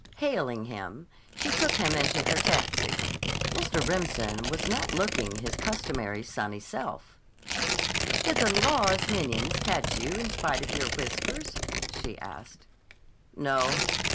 Hailing him, she took him into her taxi. Mr. Remsen was not looking his customary sunny self. "Did the law's minions catch you in spite of your whiskers?" she asked. "No.